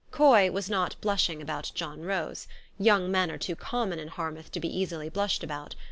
Coy was not blushing about John Rose : young men are too common in Harmouth to be easily blushed about.